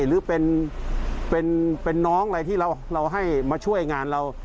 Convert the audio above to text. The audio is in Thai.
หรือเป็นน้องอะไรที่เราให้มาช่วยงานเรา